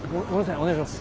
お願いします。